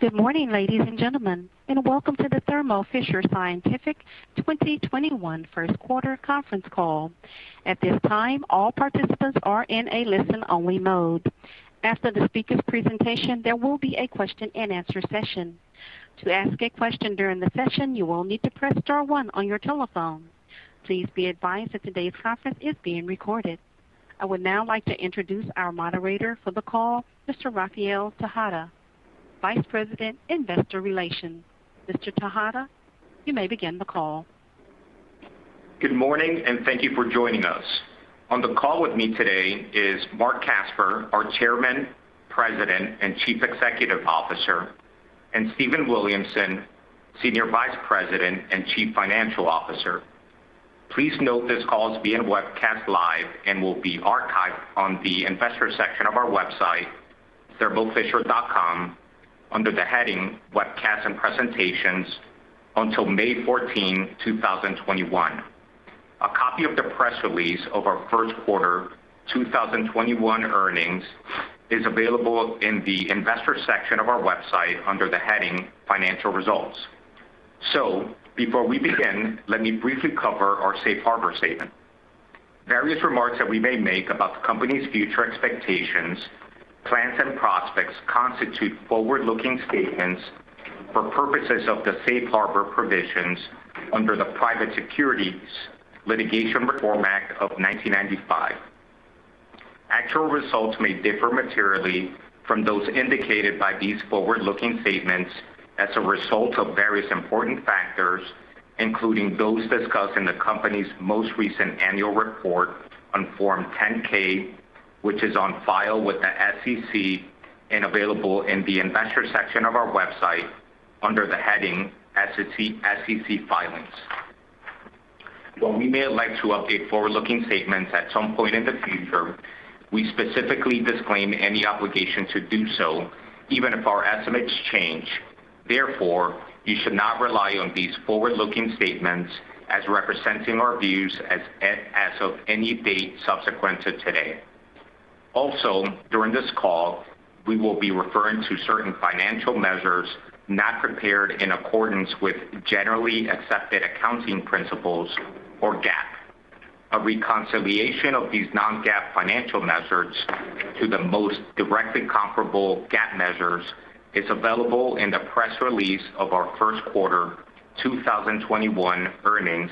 Good morning, ladies and gentlemen, and welcome to the Thermo Fisher Scientific 2021 first quarter conference call. At this time, all participants are in a listen-only mode. After the speaker's presentation, there will be a question-and-answer session. To ask a question during the session, you will need to press star one on your telephone. Please be advised that today's conference is being recorded. I would now like to introduce our moderator for the call, Mr. Rafael Tejada, Vice President, Investor Relations. Mr. Tejada, you may begin the call. Good morning, and thank you for joining us. On the call with me today is Marc Casper, our Chairman, President, and Chief Executive Officer, and Stephen Williamson, Senior Vice President and Chief Financial Officer. Please note this call is being webcast live and will be archived on the investor section of our website, thermofisher.com, under the heading Webcasts and Presentations until May 14, 2021. A copy of the press release of our first quarter 2021 earnings is available in the investor section of our website under the heading Financial Results. Before we begin, let me briefly cover our safe harbor statement. Various remarks that we may make about the company's future expectations, plans, and prospects constitute forward-looking statements for purposes of the safe harbor provisions under the Private Securities Litigation Reform Act of 1995. Actual results may differ materially from those indicated by these forward-looking statements as a result of various important factors, including those discussed in the company's most recent annual report on Form 10-K, which is on file with the SEC and available in the investor section of our website under the heading SEC Filings. While we may elect to update forward-looking statements at some point in the future, we specifically disclaim any obligation to do so, even if our estimates change. Therefore, you should not rely on these forward-looking statements as representing our views as of any date subsequent to today. Also, during this call, we will be referring to certain financial measures not prepared in accordance with generally accepted accounting principles, or GAAP. A reconciliation of these non-GAAP financial measures to the most directly comparable GAAP measures is available in the press release of our first quarter 2021 earnings,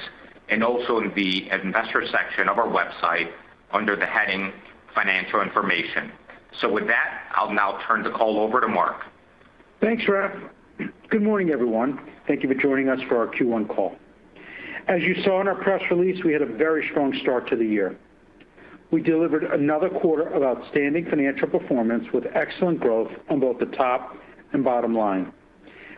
and also in the investor section of our website under the heading Financial Information. With that, I'll now turn the call over to Marc. Thanks, Raf. Good morning, everyone. Thank you for joining us for our Q1 call. As you saw in our press release, we had a very strong start to the year. We delivered another quarter of outstanding financial performance with excellent growth on both the top and bottom line.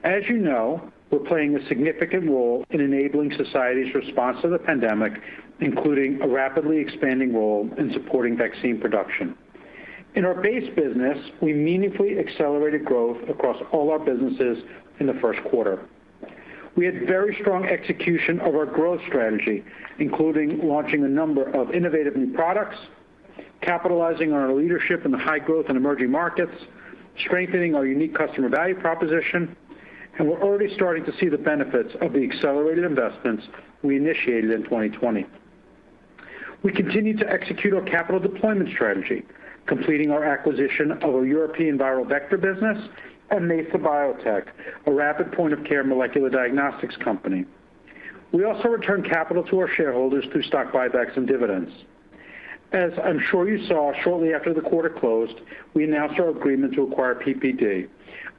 As you know, we're playing a significant role in enabling society's response to the pandemic, including a rapidly expanding role in supporting vaccine production. In our base business, we meaningfully accelerated growth across all our businesses in the first quarter. We had very strong execution of our growth strategy, including launching a number of innovative new products, capitalizing on our leadership in the high-growth and emerging markets, strengthening our unique customer value proposition. We're already starting to see the benefits of the accelerated investments we initiated in 2020. We continue to execute our capital deployment strategy, completing our acquisition of a European viral vector business and Mesa Biotech, a rapid point-of-care molecular diagnostics company. We also returned capital to our shareholders through stock buybacks and dividends. As I'm sure you saw, shortly after the quarter closed, we announced our agreement to acquire PPD,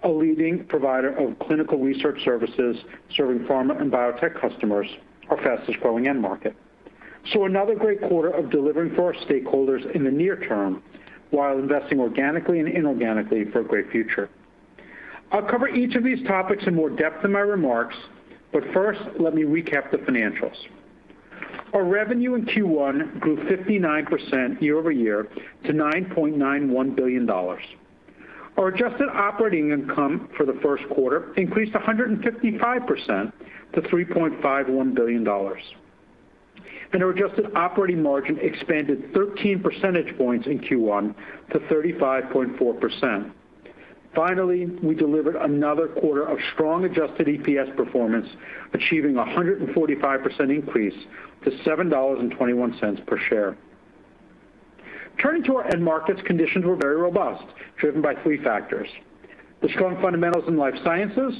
a leading provider of clinical research services serving pharma and biotech customers, our fastest-growing end market. Another great quarter of delivering for our stakeholders in the near term while investing organically and inorganically for a great future. I'll cover each of these topics in more depth in my remarks, first, let me recap the financials. Our revenue in Q1 grew 59% year-over-year to $9.91 billion. Our adjusted operating income for the first quarter increased 155% to $3.51 billion, our adjusted operating margin expanded 13 percentage points in Q1 to 35.4%. We delivered another quarter of strong adjusted EPS performance, achieving 145% increase to $7.21 per share. Turning to our end markets, conditions were very robust, driven by three factors, the strong fundamentals in life sciences,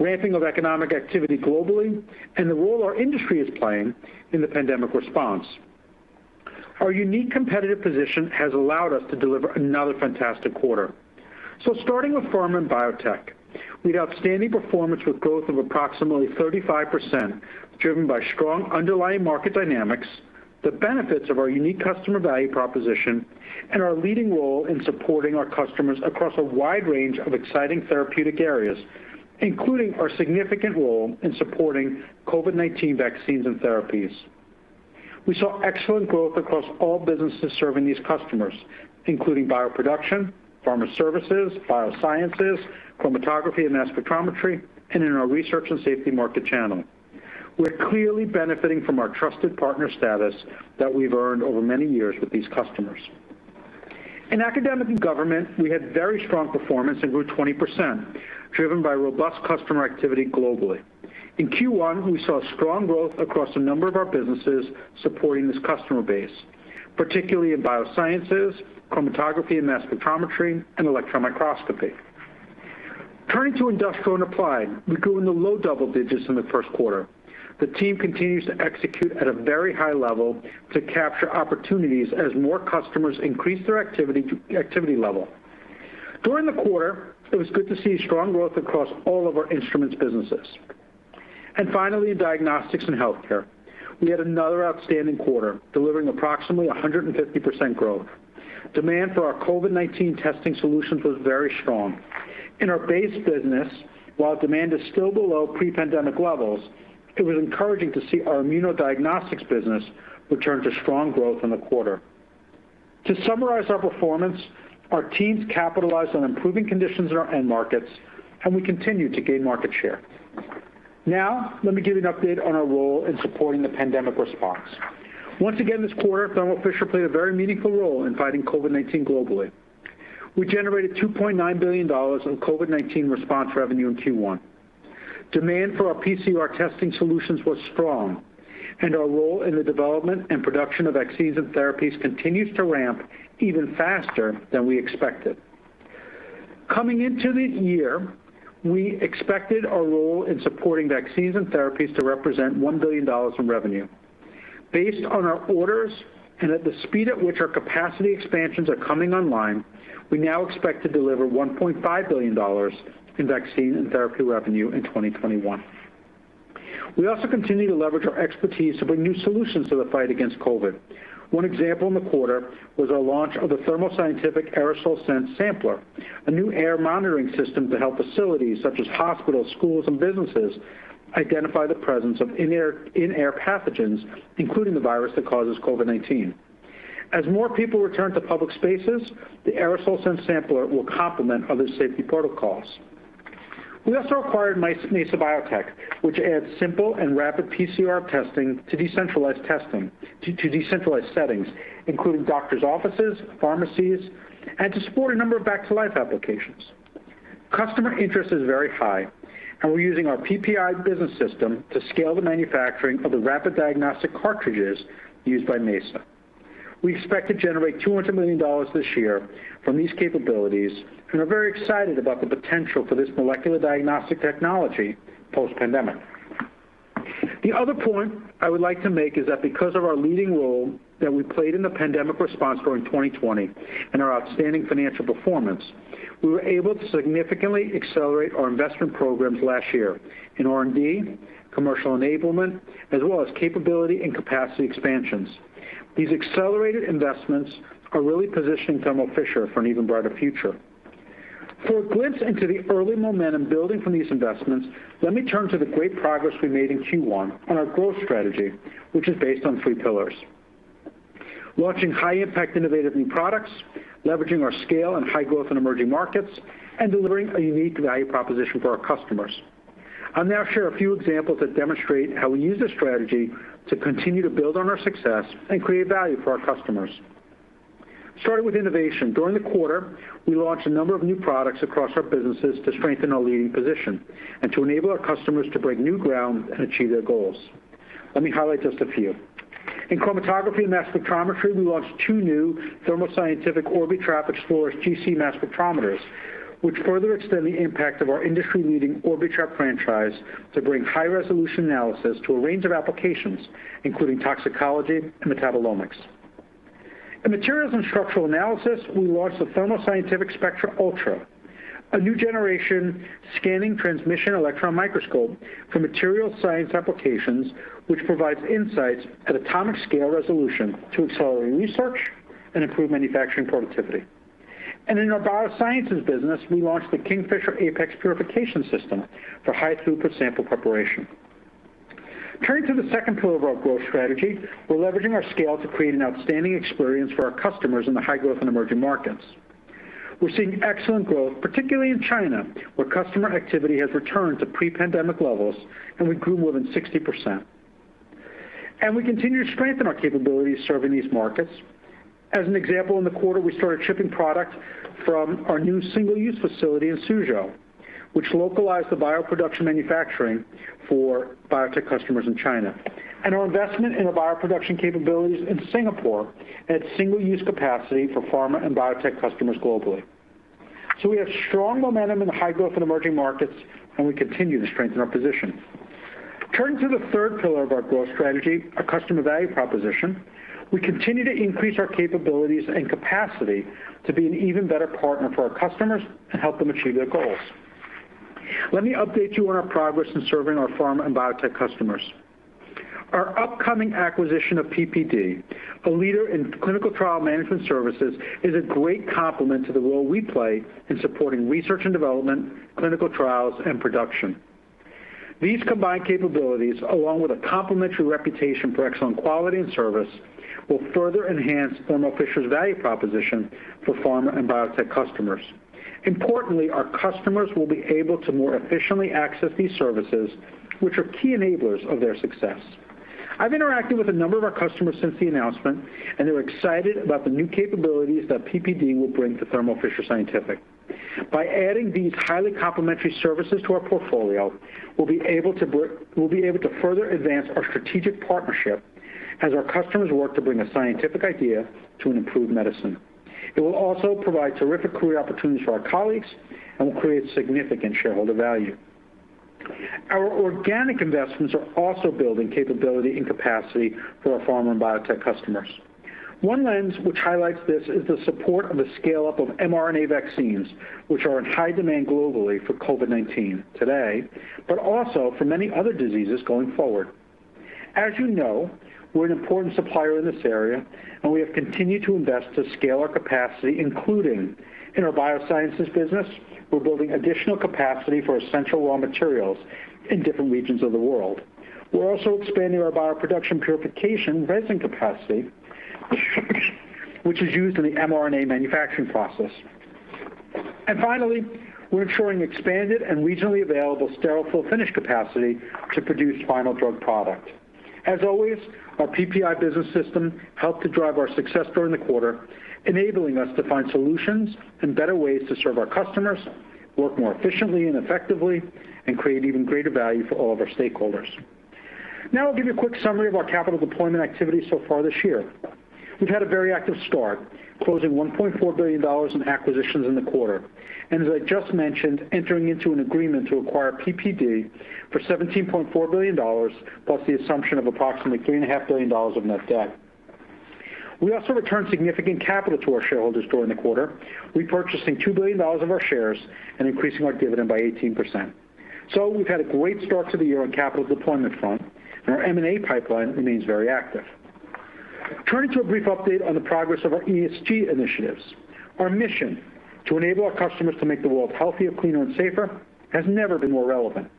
ramping of economic activity globally, and the role our industry is playing in the pandemic response. Our unique competitive position has allowed us to deliver another fantastic quarter. Starting with pharma and biotech, we had outstanding performance with growth of approximately 35%, driven by strong underlying market dynamics, the benefits of our unique customer value proposition, and our leading role in supporting our customers across a wide range of exciting therapeutic areas, including our significant role in supporting COVID-19 vaccines and therapies. We saw excellent growth across all businesses serving these customers, including bioproduction, pharma services, biosciences, chromatography and mass spectrometry, and in our research and safety market channel. We're clearly benefiting from our trusted partner status that we've earned over many years with these customers. In academic and government, we had very strong performance and grew 20%, driven by robust customer activity globally. In Q1, we saw strong growth across a number of our businesses supporting this customer base, particularly in biosciences, chromatography and mass spectrometry, and electron microscopy. Turning to industrial and applied, we grew in the low double digits in the first quarter. The team continues to execute at a very high level to capture opportunities as more customers increase their activity level. During the quarter, it was good to see strong growth across all of our instruments businesses. Finally, diagnostics and healthcare. We had another outstanding quarter, delivering approximately 150% growth. Demand for our COVID-19 testing solutions was very strong. In our base business, while demand is still below pre-pandemic levels, it was encouraging to see our immunodiagnostics business return to strong growth in the quarter. To summarize our performance, our teams capitalized on improving conditions in our end markets, and we continue to gain market share. Now, let me give you an update on our role in supporting the pandemic response. Once again this quarter, Thermo Fisher played a very meaningful role in fighting COVID-19 globally. We generated $2.9 billion in COVID-19 response revenue in Q1. Demand for our PCR testing solutions was strong, and our role in the development and production of vaccines and therapies continues to ramp even faster than we expected. Coming into the year, we expected our role in supporting vaccines and therapies to represent $1 billion in revenue. Based on our orders and at the speed at which our capacity expansions are coming online, we now expect to deliver $1.5 billion in vaccine and therapy revenue in 2021. We also continue to leverage our expertise to bring new solutions to the fight against COVID. One example in the quarter was our launch of the Thermo Scientific AerosolSense Sampler, a new air monitoring system to help facilities such as hospitals, schools, and businesses identify the presence of in-air pathogens, including the virus that causes COVID-19. As more people return to public spaces, the AerosolSense Sampler will complement other safety protocols. We also acquired Mesa Biotech, which adds simple and rapid PCR testing to decentralized settings, including doctor's offices, pharmacies, and to support a number of back-to-life applications. Customer interest is very high, and we're using our PPI Business System to scale the manufacturing of the rapid diagnostic cartridges used by Mesa. We expect to generate $200 million this year from these capabilities and are very excited about the potential for this molecular diagnostic technology post-pandemic. The other point I would like to make is that because of our leading role that we played in the pandemic response during 2020 and our outstanding financial performance, we were able to significantly accelerate our investment programs last year in R&D, commercial enablement, as well as capability and capacity expansions. These accelerated investments are really positioning Thermo Fisher for an even brighter future. For a glimpse into the early momentum building from these investments, let me turn to the great progress we made in Q1 on our growth strategy, which is based on three pillars: launching high-impact, innovative new products, leveraging our scale in high-growth and emerging markets, and delivering a unique value proposition for our customers. I'll now share a few examples that demonstrate how we use this strategy to continue to build on our success and create value for our customers. Starting with innovation. During the quarter, we launched a number of new products across our businesses to strengthen our leading position and to enable our customers to break new ground and achieve their goals. Let me highlight just a few. In chromatography and mass spectrometry, we launched two new Thermo Scientific Orbitrap Exploris GC Mass Spectrometers, which further extend the impact of our industry-leading Orbitrap franchise to bring high-resolution analysis to a range of applications, including toxicology and metabolomics. In materials and structural analysis, we launched the Thermo Scientific Spectra Ultra, a new-generation scanning transmission electron microscope for material science applications, which provides insights at atomic scale resolution to accelerate research and improve manufacturing productivity. In our biosciences business, we launched the KingFisher Apex Purification System for high-throughput sample preparation. Turning to the second pillar of our growth strategy, we're leveraging our scale to create an outstanding experience for our customers in the high-growth and emerging markets. We're seeing excellent growth, particularly in China, where customer activity has returned to pre-pandemic levels, and we grew more than 60%. We continue to strengthen our capabilities serving these markets. As an example, in the quarter, we started shipping product from our new single-use facility in Suzhou, which localized the bioproduction manufacturing for biotech customers in China. Our investment in the bioproduction capabilities in Singapore adds single-use capacity for pharma and biotech customers globally. We have strong momentum in the high-growth and emerging markets, and we continue to strengthen our position. Turning to the third pillar of our growth strategy, our customer value proposition, we continue to increase our capabilities and capacity to be an even better partner for our customers and help them achieve their goals. Let me update you on our progress in serving our pharma and biotech customers. Our upcoming acquisition of PPD, a leader in clinical trial management services, is a great complement to the role we play in supporting research and development, clinical trials, and production. These combined capabilities, along with a complementary reputation for excellent quality and service, will further enhance Thermo Fisher's value proposition for pharma and biotech customers. Importantly, our customers will be able to more efficiently access these services, which are key enablers of their success. I've interacted with a number of our customers since the announcement, and they're excited about the new capabilities that PPD will bring to Thermo Fisher Scientific. By adding these highly complementary services to our portfolio, we'll be able to further advance our strategic partnership as our customers work to bring a scientific idea to an improved medicine. It will also provide terrific career opportunities for our colleagues and will create significant shareholder value. Our organic investments are also building capability and capacity for our pharma and biotech customers. One lens which highlights this is the support of the scale-up of mRNA vaccines, which are in high demand globally for COVID-19 today, but also for many other diseases going forward. As you know, we're an important supplier in this area, and we have continued to invest to scale our capacity, including in our biosciences business. We're building additional capacity for essential raw materials in different regions of the world. We're also expanding our bioproduction purification resin capacity, which is used in the mRNA manufacturing process. Finally, we're ensuring expanded and regionally available sterile fill finish capacity to produce final drug product. As always, our PPI Business System helped to drive our success during the quarter, enabling us to find solutions and better ways to serve our customers, work more efficiently and effectively, and create even greater value for all of our stakeholders. Now I'll give you a quick summary of our capital deployment activity so far this year. We've had a very active start, closing $1.4 billion in acquisitions in the quarter. As I just mentioned, entering into an agreement to acquire PPD for $17.4 billion, plus the assumption of approximately $3.5 billion of net debt. We also returned significant capital to our shareholders during the quarter, repurchasing $2 billion of our shares and increasing our dividend by 18%. We've had a great start to the year on capital deployment front, and our M&A pipeline remains very active. Turning to a brief update on the progress of our ESG initiatives. Our mission to enable our customers to make the world healthier, cleaner, and safer has never been more relevant.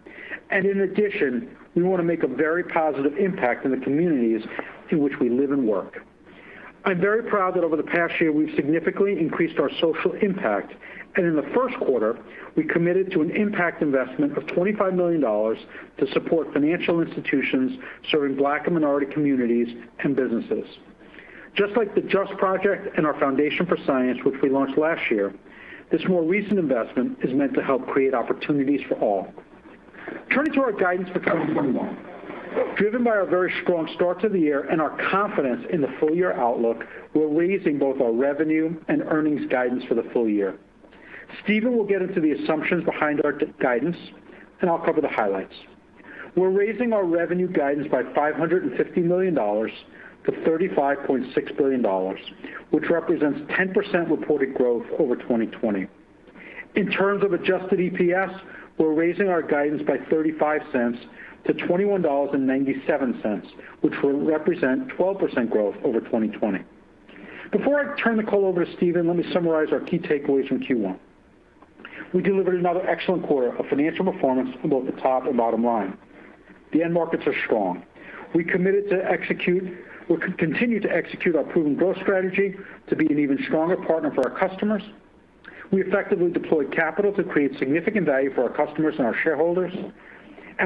In addition, we want to make a very positive impact in the communities in which we live and work. I'm very proud that over the past year, we've significantly increased our social impact, and in the first quarter, we committed to an impact investment of $25 million to support financial institutions serving black and minority communities and businesses. Just like The Just Project and our Foundation for Science, which we launched last year, this more recent investment is meant to help create opportunities for all. Turning to our guidance for 2021. Driven by our very strong start to the year and our confidence in the full-year outlook, we're raising both our revenue and earnings guidance for the full year. Stephen will get into the assumptions behind our guidance, and I'll cover the highlights. We're raising our revenue guidance by $550 million-$35.6 billion, which represents 10% reported growth over 2020. In terms of adjusted EPS, we're raising our guidance by $0.35-$21.97, which will represent 12% growth over 2020. Before I turn the call over to Stephen, let me summarize our key takeaways from Q1. We delivered another excellent quarter of financial performance on both the top and bottom line. The end markets are strong. We committed to execute, or continue to execute our proven growth strategy to be an even stronger partner for our customers. We effectively deployed capital to create significant value for our customers and our shareholders.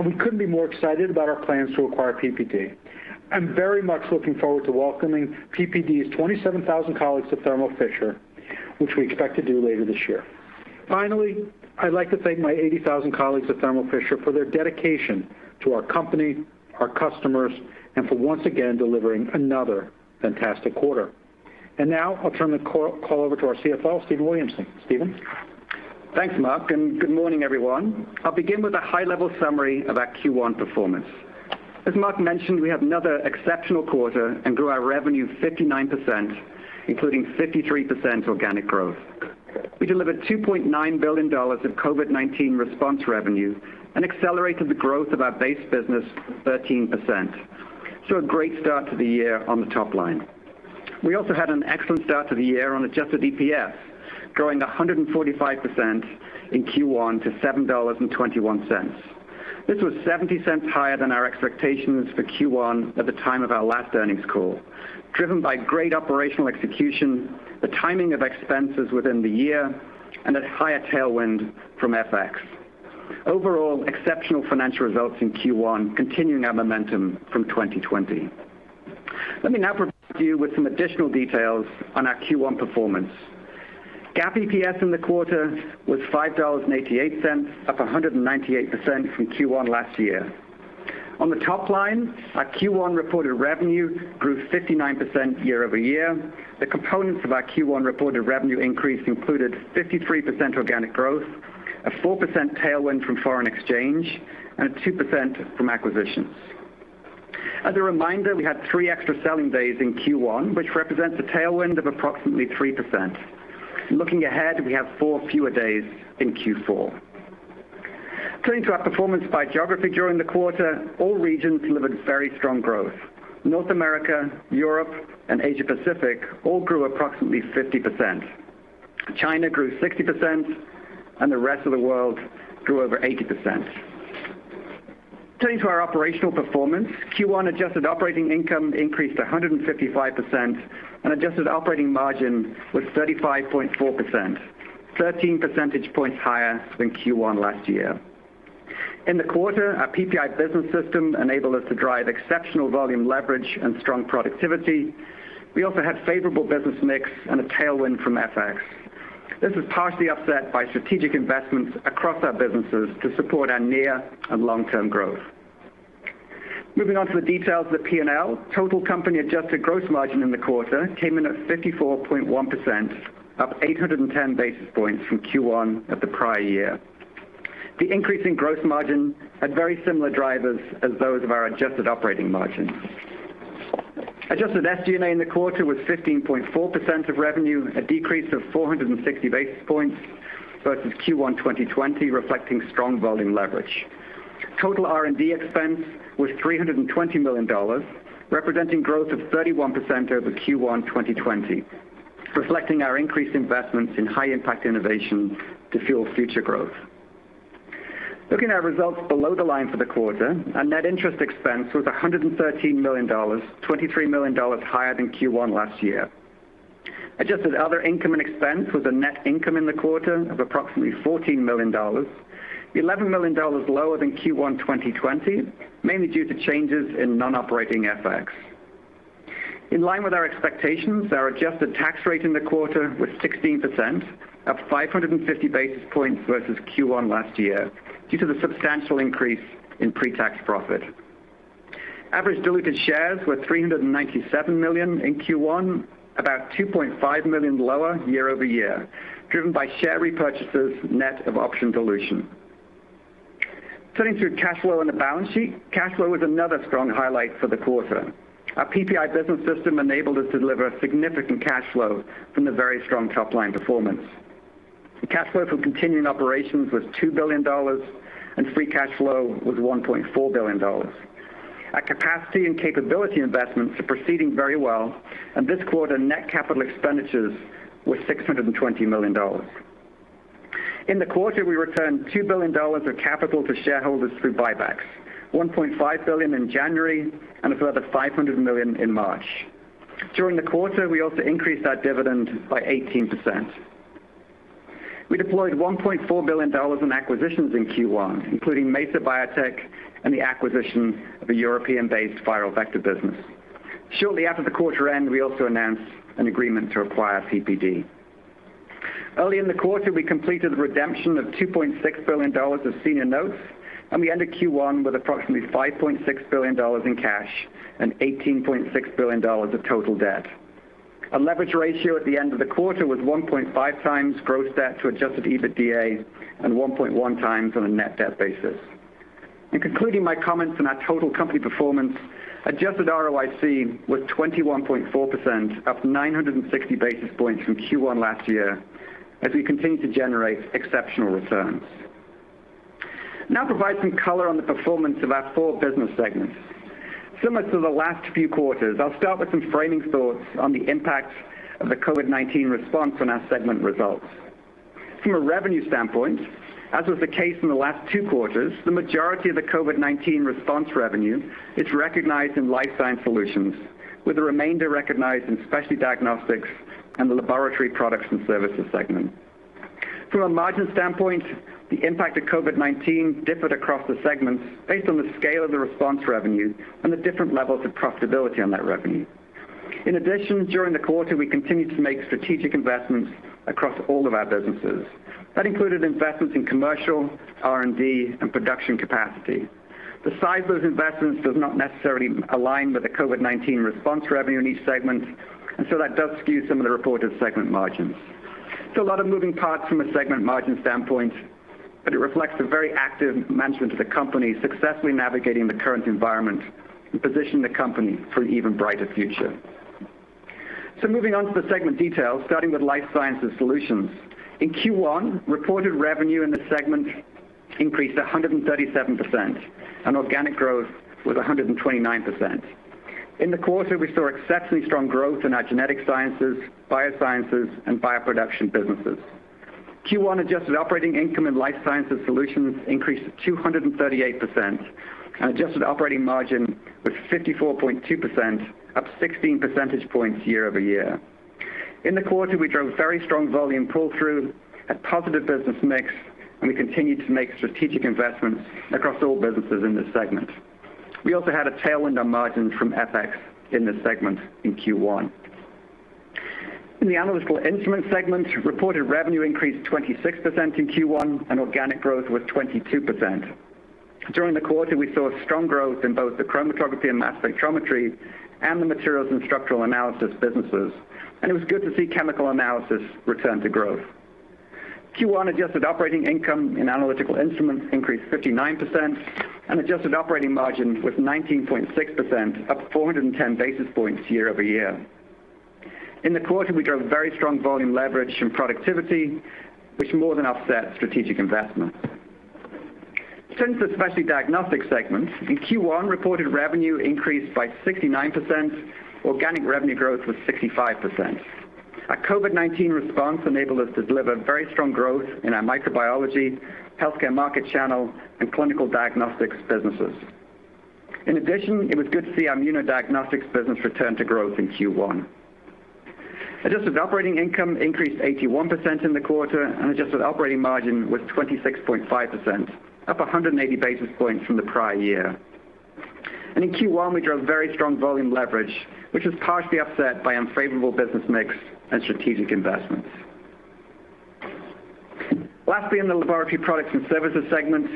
We couldn't be more excited about our plans to acquire PPD. I'm very much looking forward to welcoming PPD's 27,000 colleagues to Thermo Fisher, which we expect to do later this year. Finally, I'd like to thank my 80,000 colleagues at Thermo Fisher for their dedication to our company, our customers, and for once again delivering another fantastic quarter. Now I'll turn the call over to our CFO, Stephen Williamson. Stephen? Thanks, Marc, and good morning, everyone. I'll begin with a high-level summary of our Q1 performance. As Marc mentioned, we had another exceptional quarter and grew our revenue 59%, including 53% organic growth. We delivered $2.9 billion of COVID-19 response revenue and accelerated the growth of our base business 13%. A great start to the year on the top line. We also had an excellent start to the year on adjusted EPS, growing 145% in Q1 to $7.21. This was $0.70 higher than our expectations for Q1 at the time of our last earnings call, driven by great operational execution, the timing of expenses within the year, and a higher tailwind from FX. Overall, exceptional financial results in Q1, continuing our momentum from 2020. Let me now provide you with some additional details on our Q1 performance. GAAP EPS in the quarter was $5.88, up 198% from Q1 last year. On the top line, our Q1 reported revenue grew 59% year-over-year. The components of our Q1 reported revenue increase included 53% organic growth, a 4% tailwind from foreign exchange, and a 2% from acquisitions. As a reminder, we had three extra selling days in Q1, which represents a tailwind of approximately 3%. Looking ahead, we have four fewer days in Q4. Turning to our performance by geography during the quarter, all regions delivered very strong growth. North America, Europe, and Asia Pacific all grew approximately 50%. China grew 60%, and the rest of the world grew over 80%. Turning to our operational performance, Q1 adjusted operating income increased 155% and adjusted operating margin was 35.4%, 13 percentage points higher than Q1 last year. In the quarter, our PPI Business System enabled us to drive exceptional volume leverage and strong productivity. We also had favorable business mix and a tailwind from FX. This was partially offset by strategic investments across our businesses to support our near and long-term growth. Moving on to the details of the P&L. Total company adjusted gross margin in the quarter came in at 54.1%, up 810 basis points from Q1 of the prior year. The increase in gross margin had very similar drivers as those of our adjusted operating margin. Adjusted SG&A in the quarter was 15.4% of revenue, a decrease of 460 basis points versus Q1 2020, reflecting strong volume leverage. Total R&D expense was $320 million, representing growth of 31% over Q1 2020, reflecting our increased investments in high impact innovation to fuel future growth. Looking at our results below the line for the quarter, our net interest expense was $113 million, $23 million higher than Q1 last year. Adjusted other income and expense was a net income in the quarter of approximately $14 million, $11 million lower than Q1 2020, mainly due to changes in non-operating FX. In line with our expectations, our adjusted tax rate in the quarter was 16%, up 550 basis points versus Q1 last year, due to the substantial increase in pre-tax profit. Average diluted shares were 397 million in Q1, about 2.5 million lower year-over-year, driven by share repurchases net of option dilution. Turning to cash flow and the balance sheet. Cash flow was another strong highlight for the quarter. Our PPI Business System enabled us to deliver significant cash flow from the very strong top-line performance. Cash flow from continuing operations was $2 billion, and free cash flow was $1.4 billion. Our capacity and capability investments are proceeding very well, and this quarter, net capital expenditures were $620 million. In the quarter, we returned $2 billion of capital to shareholders through buybacks, $1.5 billion in January and a further $500 million in March. During the quarter, we also increased our dividend by 18%. We deployed $1.4 billion in acquisitions in Q1, including Mesa Biotech and the acquisition of a European-based viral vector business. Shortly after the quarter end, we also announced an agreement to acquire PPD. Early in the quarter, we completed the redemption of $2.6 billion of senior notes, and we ended Q1 with approximately $5.6 billion in cash and $18.6 billion of total debt. Our leverage ratio at the end of the quarter was 1.5x gross debt to adjusted EBITDA and 1.1x on a net debt basis. In concluding my comments on our total company performance, adjusted ROIC was 21.4%, up 960 basis points from Q1 last year, as we continue to generate exceptional returns. Now provide some color on the performance of our four business segments. Similar to the last few quarters, I'll start with some framing thoughts on the impact of the COVID-19 response on our segment results. From a revenue standpoint, as was the case in the last two quarters, the majority of the COVID-19 response revenue is recognized in Life Sciences Solutions, with the remainder recognized in Specialty Diagnostics and the Laboratory Products and Services segment. From a margin standpoint, the impact of COVID-19 differed across the segments based on the scale of the response revenue and the different levels of profitability on that revenue. In addition, during the quarter, we continued to make strategic investments across all of our businesses. That included investments in commercial, R&D, and production capacity. The size of those investments does not necessarily align with the COVID-19 response revenue in each segment, and so that does skew some of the reported segment margins. A lot of moving parts from a segment margin standpoint, but it reflects the very active management of the company successfully navigating the current environment and positioning the company for an even brighter future. Moving on to the segment details, starting with Life Sciences Solutions. In Q1, reported revenue in the segment increased 137%, and organic growth was 129%. In the quarter, we saw exceptionally strong growth in our genetic sciences, biosciences, and bioproduction businesses. Q1 adjusted operating income in Life Sciences Solutions increased 238%, and adjusted operating margin was 54.2%, up 16 percentage points year-over-year. In the quarter, we drove very strong volume pull-through and positive business mix, and we continued to make strategic investments across all businesses in this segment. We also had a tailwind on margins from FX in this segment in Q1. In the Analytical Instruments segment, reported revenue increased 26% in Q1 and organic growth was 22%. During the quarter, we saw strong growth in both the chromatography and mass spectrometry and the materials and structural analysis businesses, and it was good to see chemical analysis return to growth. Q1 adjusted operating income in Analytical Instruments increased 59%, and adjusted operating margin was 19.6%, up 410 basis points year-over-year. In the quarter, we drove very strong volume leverage and productivity, which more than offset strategic investments. Turning to the Specialty Diagnostics segment. In Q1, reported revenue increased by 69%. Organic revenue growth was 65%. Our COVID-19 response enabled us to deliver very strong growth in our microbiology, healthcare market channel, and clinical diagnostics businesses. In addition, it was good to see our immunodiagnostics business return to growth in Q1. Adjusted operating income increased 81% in the quarter, and adjusted operating margin was 26.5%, up 180 basis points from the prior year. In Q1, we drove very strong volume leverage, which was partially offset by unfavorable business mix and strategic investments. Lastly, in the Laboratory Products and Services segment,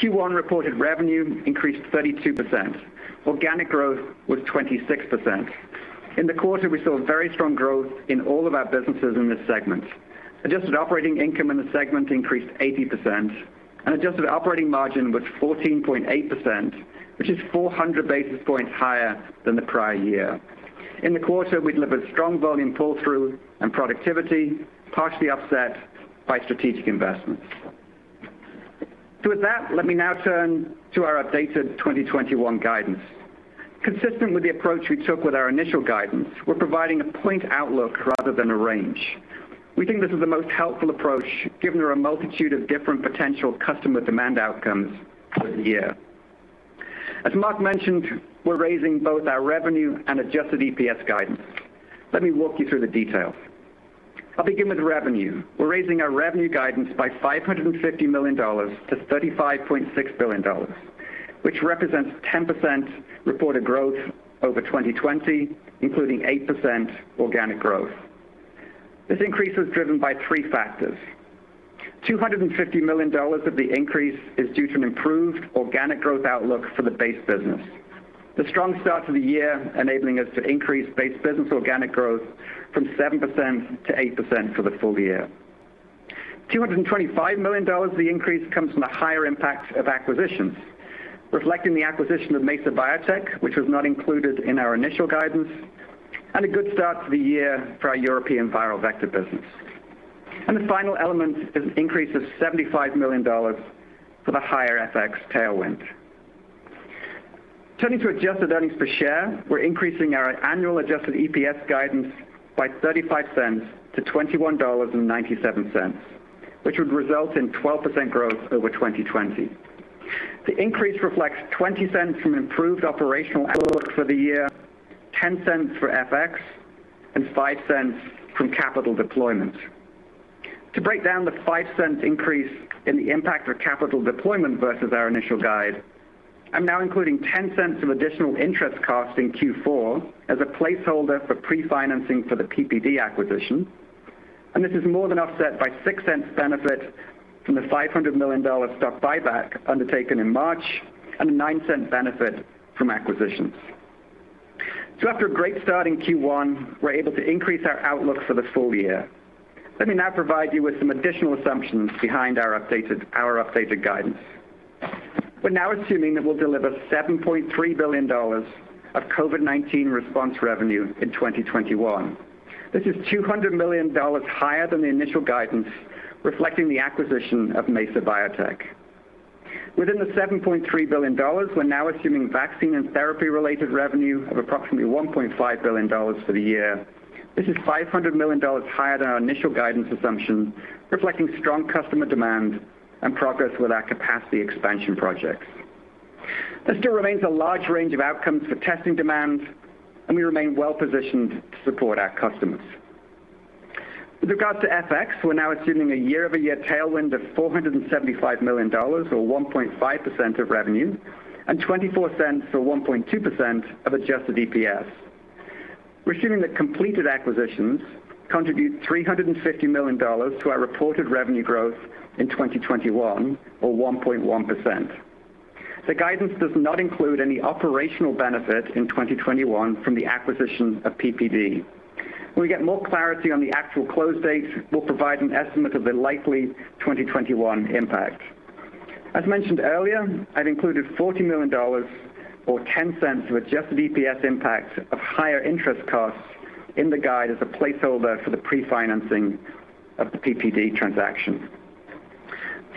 Q1 reported revenue increased 32%. Organic growth was 26%. In the quarter, we saw very strong growth in all of our businesses in this segment. Adjusted operating income in the segment increased 80%, and adjusted operating margin was 14.8%, which is 400 basis points higher than the prior year. In the quarter, we delivered strong volume pull-through and productivity, partially offset by strategic investments. With that, let me now turn to our updated 2021 guidance. Consistent with the approach we took with our initial guidance, we're providing a point outlook rather than a range. We think this is the most helpful approach given there are a multitude of different potential customer demand outcomes for the year. As Marc mentioned, we're raising both our revenue and adjusted EPS guidance. Let me walk you through the details. I'll begin with revenue. We're raising our revenue guidance by $550 million-$35.6 billion, which represents 10% reported growth over 2020, including 8% organic growth. This increase is driven by three factors. $250 million of the increase is due to an improved organic growth outlook for the base business. The strong start to the year enabling us to increase base business organic growth from 7%-8% for the full year. $225 million of the increase comes from the higher impact of acquisitions, reflecting the acquisition of Mesa Biotech, which was not included in our initial guidance, and a good start to the year for our European viral vector business. The final element is an increase of $75 million for the higher FX tailwind. Turning to adjusted earnings per share, we're increasing our annual adjusted EPS guidance by $0.35-$21.97, which would result in 12% growth over 2020. The increase reflects $0.20 from an improved operational outlook for the year, $0.10 for FX, and $0.05 from capital deployment. To break down the $0.05 increase in the impact of capital deployment versus our initial guide, I'm now including $0.10 of additional interest cost in Q4 as a placeholder for pre-financing for the PPD acquisition. This is more than offset by $0.06 benefit from the $500 million stock buyback undertaken in March, and a $0.09 benefit from acquisitions. After a great start in Q1, we're able to increase our outlook for the full year. Let me now provide you with some additional assumptions behind our updated guidance. We're now assuming that we'll deliver $7.3 billion of COVID-19 response revenue in 2021. This is $200 million higher than the initial guidance, reflecting the acquisition of Mesa Biotech. Within the $7.3 billion, we're now assuming vaccine and therapy-related revenue of approximately $1.5 billion for the year. This is $500 million higher than our initial guidance assumption, reflecting strong customer demand and progress with our capacity expansion projects. There still remains a large range of outcomes for testing demand, and we remain well-positioned to support our customers. With regards to FX, we're now assuming a year-over-year tailwind of $475 million, or 1.5% of revenue, and $0.24, or 1.2% of adjusted EPS. We're assuming that completed acquisitions contribute $350 million to our reported revenue growth in 2021, or 1.1%. The guidance does not include any operational benefit in 2021 from the acquisition of PPD. When we get more clarity on the actual close date, we'll provide an estimate of the likely 2021 impact. As mentioned earlier, I've included $40 million or $0.10 of adjusted EPS impact of higher interest costs in the guide as a placeholder for the pre-financing of the PPD transaction.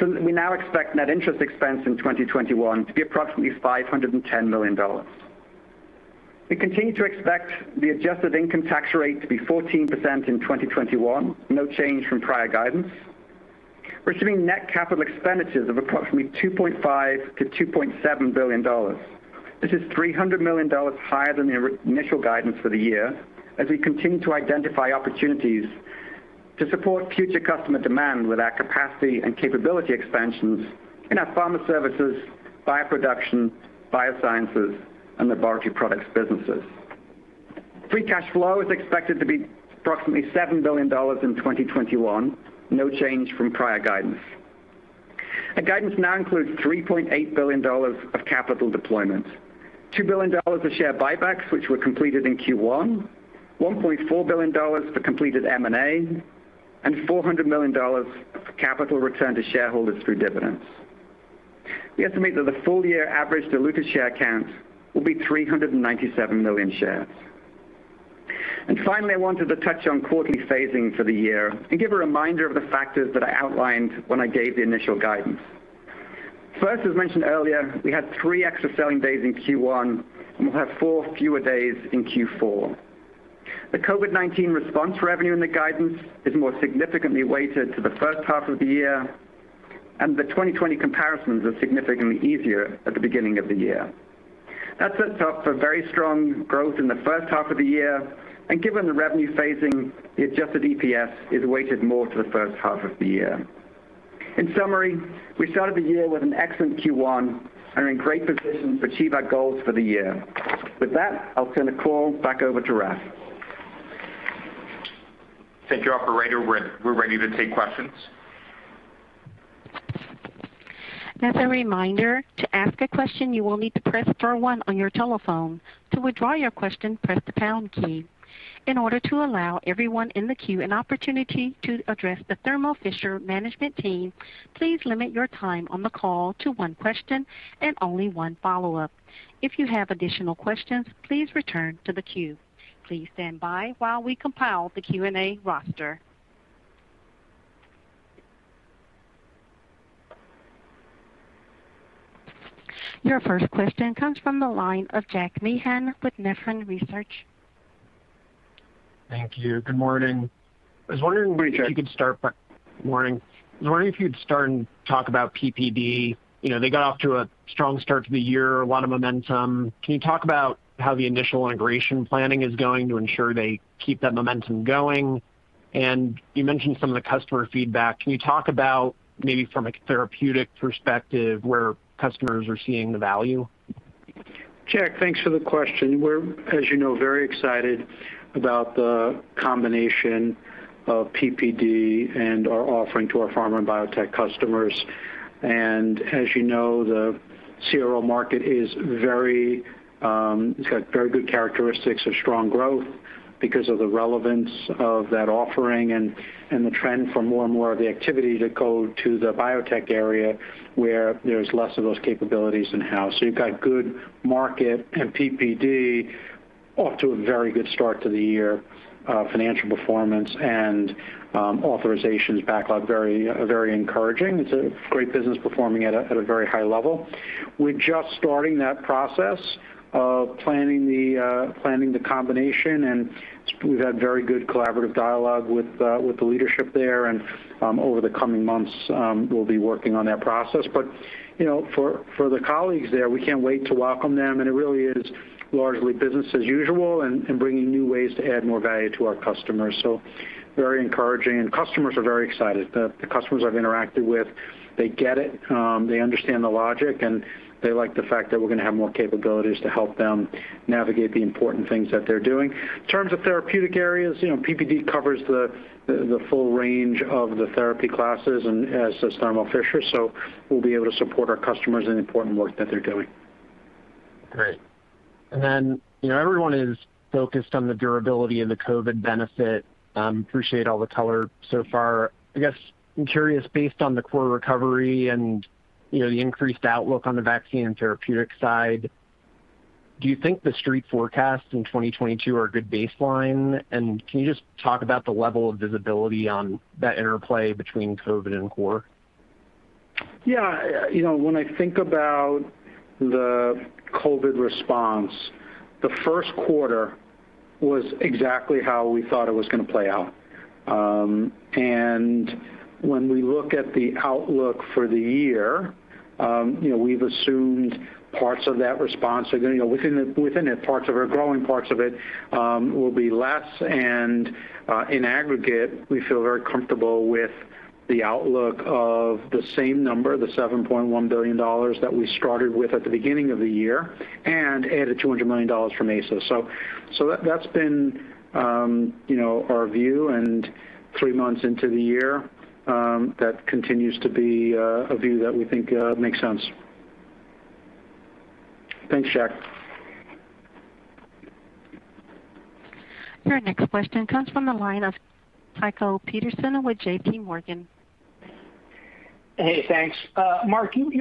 We now expect net interest expense in 2021 to be approximately $510 million. We continue to expect the adjusted income tax rate to be 14% in 2021, no change from prior guidance. We're assuming net capital expenditures of approximately $2.5 billion-$2.7 billion. This is $300 million higher than the initial guidance for the year, as we continue to identify opportunities to support future customer demand with our capacity and capability expansions in our pharma services, bioproduction, biosciences, and laboratory products businesses. Free cash flow is expected to be approximately $7 billion in 2021, no change from prior guidance. Our guidance now includes $3.8 billion of capital deployment, $2 billion of share buybacks, which were completed in Q1, $1.4 billion for completed M&A, and $400 million of capital returned to shareholders through dividends. We estimate that the full-year average diluted share count will be 397 million shares. Finally, I wanted to touch on quarterly phasing for the year and give a reminder of the factors that I outlined when I gave the initial guidance. As mentioned earlier, we had three extra selling days in Q1, and we'll have four fewer days in Q4. The COVID-19 response revenue in the guidance is more significantly weighted to the first half of the year. The 2020 comparisons are significantly easier at the beginning of the year. That sets up for very strong growth in the first half of the year. Given the revenue phasing, the adjusted EPS is weighted more to the first half of the year. In summary, we started the year with an excellent Q1 and are in great position to achieve our goals for the year. With that, I'll turn the call back over to Raf. Thank you, operator. We're ready to take questions. As a reminder to ask a question you will need to press star one your telephone. To withdraw your question press the pound key. In order to allow everyone in the queue an opportunity to address the Thermo Fisher Management team, please limit your time on the call to one question and only one follow-up. If you have additional questions, please return to the queue. Please standby while we compile the Q&A roster. Your first question comes from the line of Jack Meehan with Nephron Research. Thank you. Good morning. Good morning, Jack. Morning. I was wondering if you'd start and talk about PPD. They got off to a strong start to the year, a lot of momentum. Can you talk about how the initial integration planning is going to ensure they keep that momentum going? You mentioned some of the customer feedback. Can you talk about maybe from a therapeutic perspective, where customers are seeing the value? Jack, thanks for the question. We're, as you know, very excited about the combination of PPD and our offering to our pharma and biotech customers. As you know, the CRO market has got very good characteristics of strong growth because of the relevance of that offering and the trend for more and more of the activity to go to the biotech area, where there's less of those capabilities in-house. You've got good market and PPD off to a very good start to the year, financial performance and authorizations backlog very encouraging. It's a great business performing at a very high level. We're just starting that process of planning the combination, and we've had very good collaborative dialogue with the leadership there and over the coming months, we'll be working on that process. For the colleagues there, we can't wait to welcome them, and it really is largely business as usual and bringing new ways to add more value to our customers. Very encouraging, and customers are very excited. The customers I've interacted with, they get it. They understand the logic, and they like the fact that we're going to have more capabilities to help them navigate the important things that they're doing. In terms of therapeutic areas, PPD covers the full range of the therapy classes and as does Thermo Fisher, so we'll be able to support our customers in the important work that they're doing. Great. Everyone is focused on the durability of the COVID benefit. Appreciate all the color so far. I guess I'm curious, based on the core recovery and the increased outlook on the vaccine and therapeutic side, do you think the street forecasts in 2022 are a good baseline? Can you just talk about the level of visibility on that interplay between COVID and core? Yeah. When I think about the COVID response, the first quarter was exactly how we thought it was going to play out. When we look at the outlook for the year, we've assumed parts of that response are going to, within it, growing parts of it, will be less. In aggregate, we feel very comfortable with the outlook of the same number, the $7.1 billion that we started with at the beginning of the year, and add a $200 million from Mesa. That's been our view. Three months into the year, that continues to be a view that we think makes sense. Thanks, Jack. Your next question comes from the line of Tycho Peterson with JPMorgan. Hey, thanks. Marc, you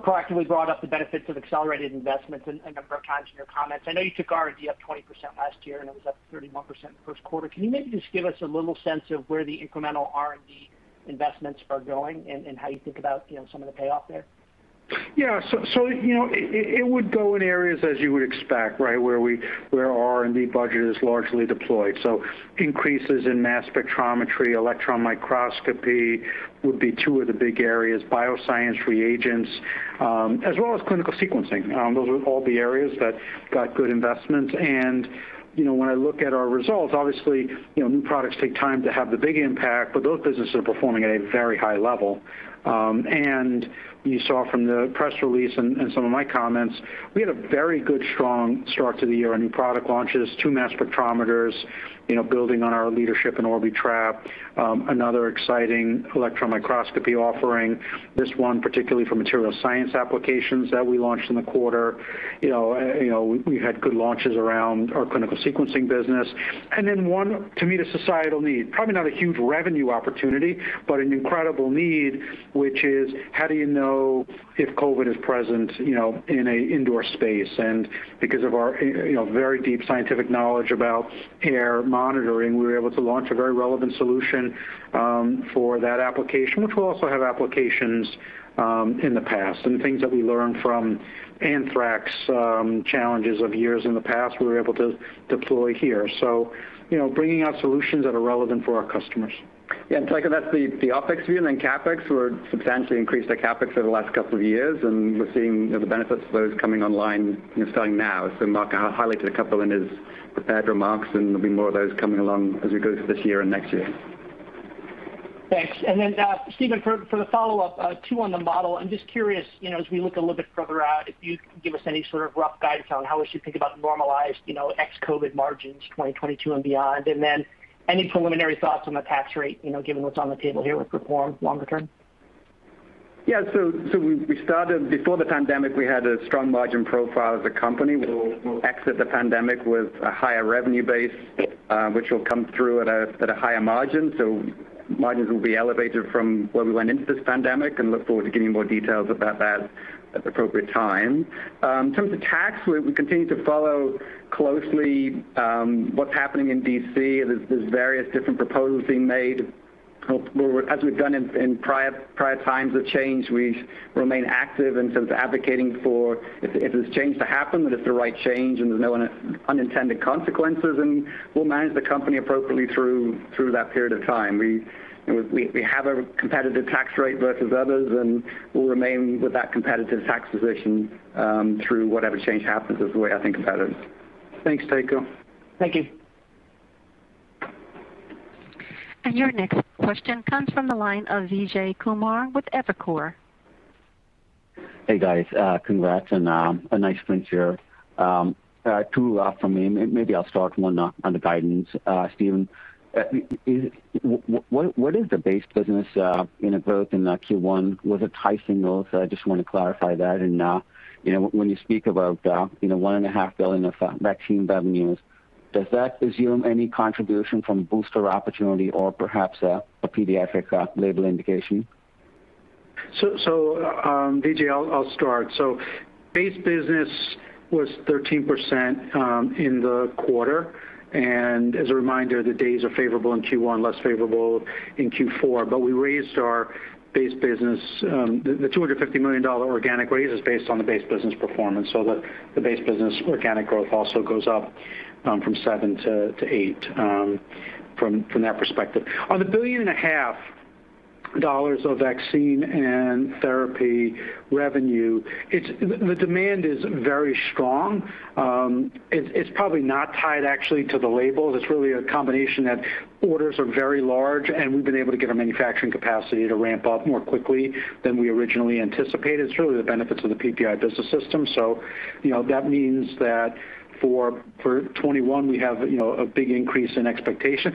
correctly brought up the benefits of accelerated investments a number of times in your comments. I know you took R&D up 20% last year, and it was up 31% in the first quarter. Can you maybe just give us a little sense of where the incremental R&D investments are going and how you think about some of the payoff there? Yeah. It would go in areas as you would expect, right, where R&D budget is largely deployed. Increases in mass spectrometry, electron microscopy would be two of the big areas, bioscience reagents, as well as clinical sequencing. Those are all the areas that got good investments. When I look at our results, obviously, new products take time to have the big impact, but those businesses are performing at a very high level. You saw from the press release and some of my comments, we had a very good, strong start to the year on new product launches, two mass spectrometers, building on our leadership in Orbitrap. Another exciting electron microscopy offering, this one particularly for material science applications that we launched in the quarter. We had good launches around our clinical sequencing business. One to meet a societal need, probably not a huge revenue opportunity, but an incredible need, which is how do you know if COVID is present in an indoor space? Because of our very deep scientific knowledge about air monitoring, we were able to launch a very relevant solution for that application, which will also have applications in the past. Things that we learned from anthrax challenges of years in the past, we were able to deploy here, bringing out solutions that are relevant for our customers. Yeah, Tycho Peterson, that's the OpEx view. Then CapEx, we substantially increased our CapEx over the last couple of years, and we're seeing the benefits of those coming online starting now. Marc highlighted a couple in his prepared remarks, and there'll be more of those coming along as we go through this year and next year. Thanks. Stephen, for the follow-up, two on the model. I'm just curious, as we look a little bit further out, if you could give us any sort of rough guidance on how we should think about normalized, ex-COVID margins 2022 and beyond. Any preliminary thoughts on the tax rate, given what's on the table here with reform longer term? Yeah. Before the pandemic, we had a strong margin profile as a company. We'll exit the pandemic with a higher revenue base, which will come through at a higher margin. Margins will be elevated from where we went into this pandemic, and look forward to giving more details about that at the appropriate time. In terms of tax, we continue to follow closely what's happening in D.C. There's various different proposals being made. As we've done in prior times of change, we remain active in terms of advocating for, if this change to happen, that it's the right change, and there's no unintended consequences. We'll manage the company appropriately through that period of time. We have a competitive tax rate versus others, and we'll remain with that competitive tax position through whatever change happens is the way I think about it. Thanks, Tycho. Thank you. Your next question comes from the line of Vijay Kumar with Evercore. Hey, guys. Congrats on a nice quarter. Two from me. Maybe I'll start on the guidance. Stephen, what is the base business growth in Q1? Was it high singles? I just want to clarify that. When you speak about $1.5 billion of vaccine revenues, does that assume any contribution from booster opportunity or perhaps a pediatric label indication? Vijay, I'll start. Base business was 13% in the quarter. As a reminder, the days are favorable in Q1, less favorable in Q4. We raised our base business. The $250 million organic raise is based on the base business performance. The base business organic growth also goes up from 7%-8% from that perspective. On the $1.5 Of vaccine and therapy revenue, the demand is very strong. It's probably not tied, actually, to the label. It's really a combination that orders are very large, and we've been able to get our manufacturing capacity to ramp up more quickly than we originally anticipated. It's really the benefits of the PPI Business System. That means that for 2021, we have a big increase in expectation.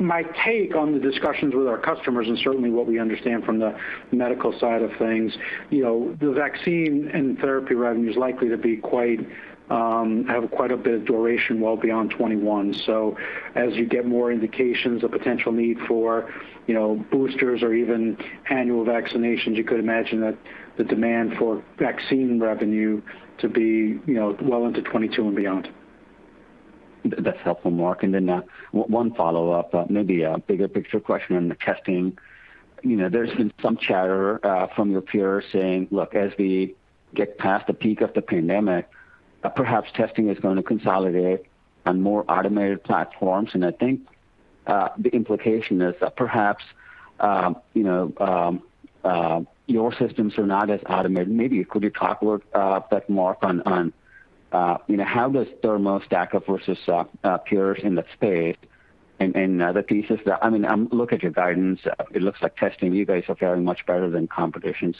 My take on the discussions with our customers and certainly what we understand from the medical side of things, the vaccine and therapy revenue is likely to have quite a bit of duration well beyond 2021. As you get more indications of potential need for boosters or even annual vaccinations, you could imagine that the demand for vaccine revenue to be well into 2022 and beyond. That's helpful, Marc. One follow-up, maybe a bigger picture question on the testing. There's been some chatter from your peers saying, look, as we get past the peak of the pandemic, perhaps testing is going to consolidate on more automated platforms. I think the implication is that perhaps your systems are not as automated. Maybe could you talk a little bit more on how does Thermo stack up versus peers in the space and other pieces? I mean, I look at your guidance, it looks like testing you guys are fairly much better than competition.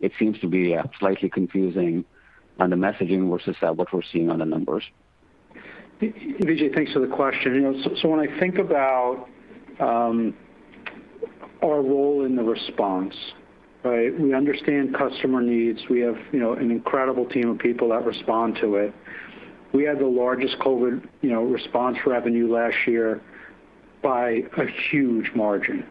It seems to be slightly confusing on the messaging versus what we're seeing on the numbers. Vijay, thanks for the question. When I think about our role in the response, we understand customer needs. We have an incredible team of people that respond to it. We had the largest COVID response revenue last year by a huge margin.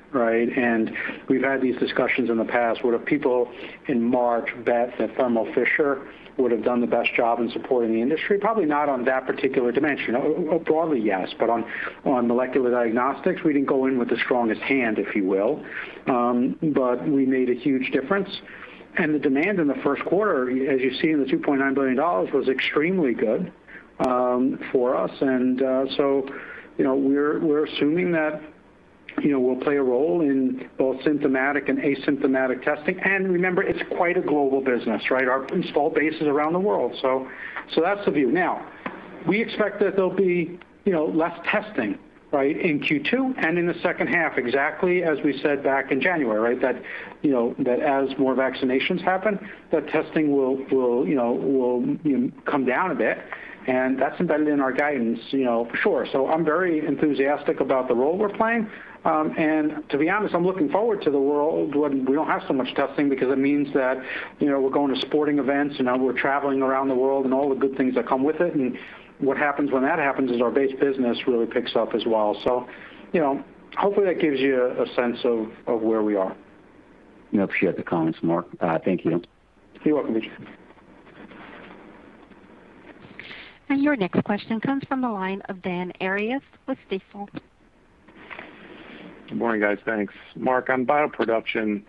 We've had these discussions in the past. Would have people in March bet that Thermo Fisher would have done the best job in supporting the industry? Probably not on that particular dimension. Broadly, yes. On molecular diagnostics, we didn't go in with the strongest hand, if you will. We made a huge difference. The demand in the first quarter, as you see, the $2.9 billion, was extremely good for us. We're assuming that we'll play a role in both symptomatic and asymptomatic testing. Remember, it's quite a global business. Our install base is around the world. That's the view. We expect that there'll be less testing in Q2 and in the second half, exactly as we said back in January, that as more vaccinations happen, that testing will come down a bit, and that's embedded in our guidance for sure. I'm very enthusiastic about the role we're playing. To be honest, I'm looking forward to the world when we don't have so much testing because it means that we're going to sporting events and now we're traveling around the world and all the good things that come with it. What happens when that happens is our base business really picks up as well. Hopefully that gives you a sense of where we are. I appreciate the comments, Marc. Thank you. You're welcome, Vijay. Your next question comes from the line of Dan Arias with Stifel. Good morning, guys. Thanks. Marc, on bioproduction,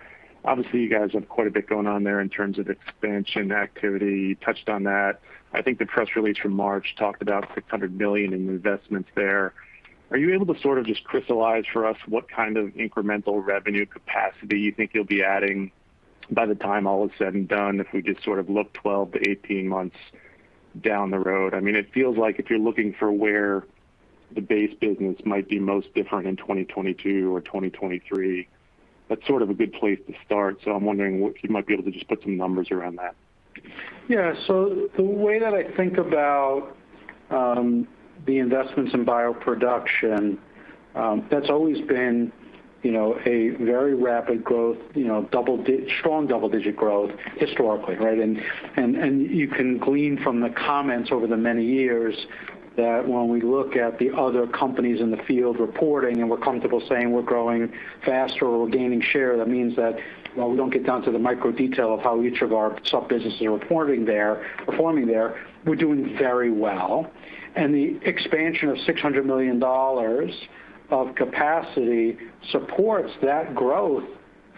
obviously, you guys have quite a bit going on there in terms of expansion activity. Touched on that. I think the press release from March talked about $600 million in investments there. Are you able to just crystallize for us what kind of incremental revenue capacity you think you'll be adding by the time all is said and done, if we just look 12-18 months down the road? It feels like if you're looking for where the base business might be most different in 2022 or 2023, that's sort of a good place to start. I'm wondering if you might be able to just put some numbers around that. Yeah. The way that I think about the investments in bioproduction, that's always been a very rapid growth, strong double-digit growth historically, right? You can glean from the comments over the many years that when we look at the other companies in the field reporting, and we're comfortable saying we're growing faster or we're gaining share, that means that while we don't get down to the micro detail of how each of our sub-businesses are performing there, we're doing very well. The expansion of $600 million of capacity supports that growth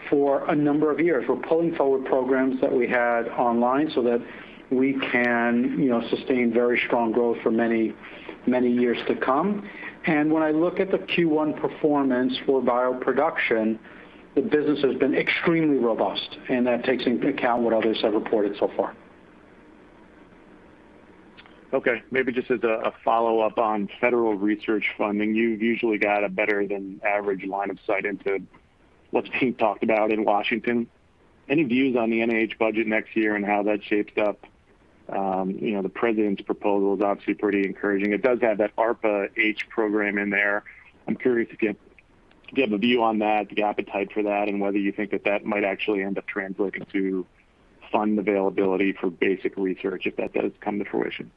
for a number of years. We're pulling forward programs that we had online so that we can sustain very strong growth for many years to come. When I look at the Q1 performance for bioproduction, the business has been extremely robust, and that takes into account what others have reported so far. Okay. Maybe just as a follow-up on federal research funding. You've usually got a better than average line of sight into what's being talked about in Washington. Any views on the NIH budget next year and how that shapes up? The president's proposal is obviously pretty encouraging. It does have that ARPA-H program in there. I'm curious if you have a view on that, the appetite for that, and whether you think that that might actually end up translating to fund availability for basic research if that does come to fruition.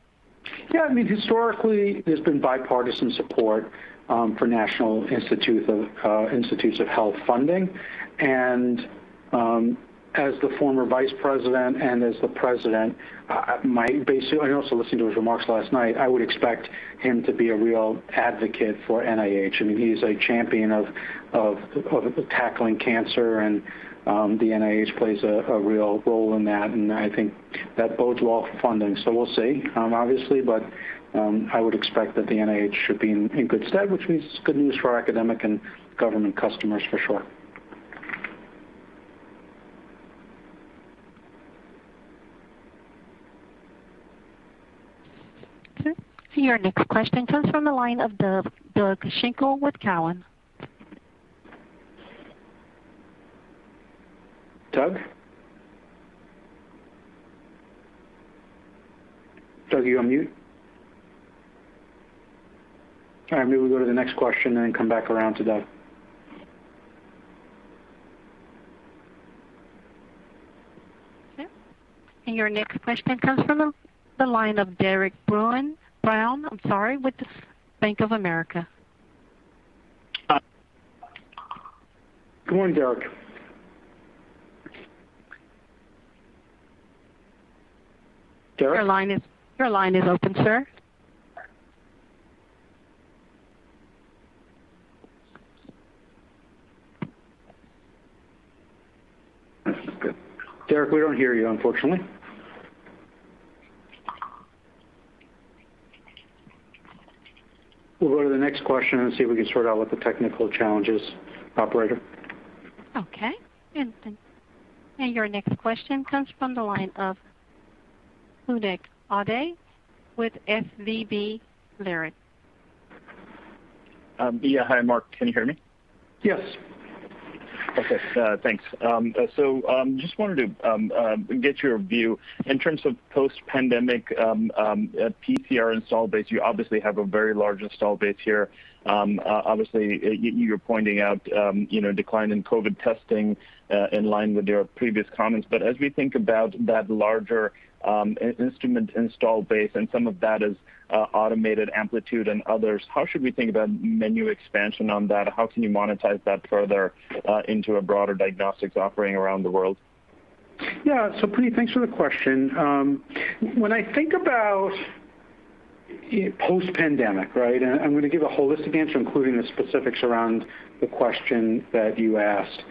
Yeah. Historically, there's been bipartisan support for National Institutes of Health funding. As the former Vice President and as the President, I also listened to his remarks last night, I would expect him to be a real advocate for NIH. He's a champion of tackling cancer, and the NIH plays a real role in that, and I think that bodes well for funding. We'll see, obviously, but I would expect that the NIH should be in good stead, which is good news for our academic and government customers for sure. Okay. Your next question comes from the line of Doug Schenkel with Cowen. Doug? Doug, are you on mute? All right. Maybe we go to the next question, then come back around to Doug. Okay. Your next question comes from the line of Derik De Bruin, I'm sorry, with Bank of America. Good morning, Derik. Derik? Your line is open, sir. That's not good. Derik, we don't hear you, unfortunately. We'll go to the next question and see if we can sort out what the technical challenge is. Operator? Okay. Your next question comes from the line of Puneet Souda with SVB Leerink. Hi, Marc. Can you hear me? Yes. Okay. Thanks. Just wanted to get your view in terms of post-pandemic PCR install base. You obviously have a very large install base here. Obviously, you're pointing out decline in COVID testing in line with your previous comments. As we think about that larger instrument install base and some of that is Automated Applied Biosystems and others, how should we think about menu expansion on that? How can you monetize that further into a broader diagnostics offering around the world? Puneet, thanks for the question. When I think about post-pandemic, right? I'm going to give a holistic answer, including the specifics around the question that you asked.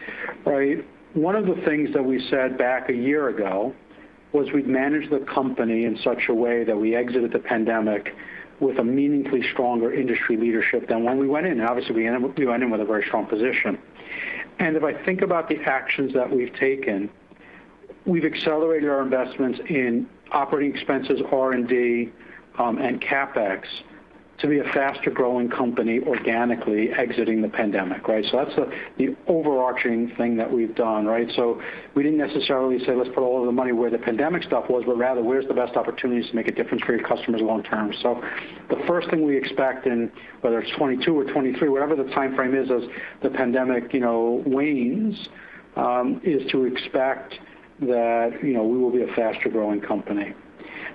One of the things that we said back a year ago was we'd manage the company in such a way that we exited the pandemic with a meaningfully stronger industry leadership than when we went in. Obviously, we went in with a very strong position. If I think about the actions that we've taken, we've accelerated our investments in operating expenses, R&D, and CapEx to be a faster-growing company organically exiting the pandemic, right? That's the overarching thing that we've done, right? We didn't necessarily say, "Let's put all of the money where the pandemic stuff was," but rather, where's the best opportunities to make a difference for your customers long term? The first thing we expect in whether it's 2022 or 2023, whatever the timeframe is as the pandemic wanes, is to expect that we will be a faster-growing company.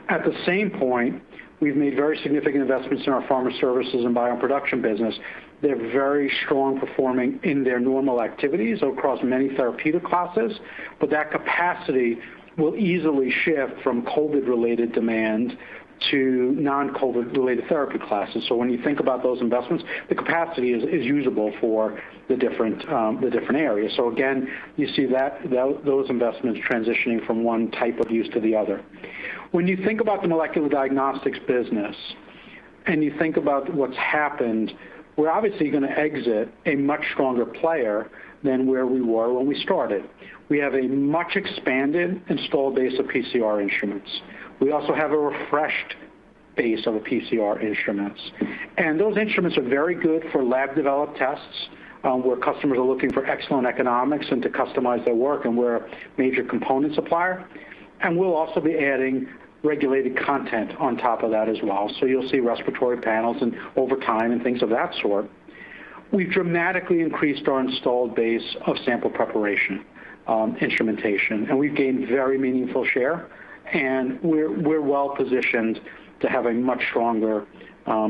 At the same point, we've made very significant investments in our pharma services and bioproduction business. They're very strong performing in their normal activities across many therapeutic classes, but that capacity will easily shift from COVID-related demand to non-COVID related therapy classes. When you think about those investments, the capacity is usable for the different areas. Again, you see those investments transitioning from one type of use to the other. When you think about the molecular diagnostics business, and you think about what's happened, we're obviously going to exit a much stronger player than where we were when we started. We have a much expanded installed base of PCR instruments. We also have a refreshed base of PCR instruments. Those instruments are very good for lab-developed tests, where customers are looking for excellent economics and to customize their work, and we're a major component supplier. We'll also be adding regulated content on top of that as well. You'll see respiratory panels over time and things of that sort. We've dramatically increased our installed base of sample preparation instrumentation, and we've gained very meaningful share, and we're well-positioned to have a much stronger